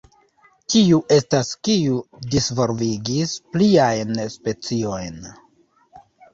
Tiu estas kiu disvolvigis pliajn speciojn.